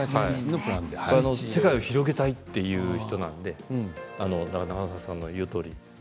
世界を広げたいという人なので永作さんの言うとおりです。